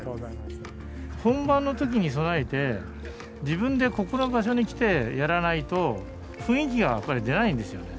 本番の時に備えて自分でここの場所に来てやらないと雰囲気がやっぱり出ないんですよね。